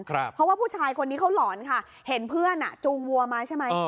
เพราะว่าผู้ชายคนนี้เขาหลอนค่ะเห็นเพื่อนจูงวัวมาใช่ไหม